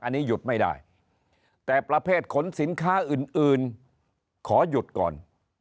อันนี้หยุดไม่ได้แต่ประเภทขนสินค้าอื่นขอหยุดก่อน